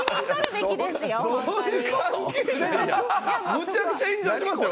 むちゃくちゃ炎上しますよ。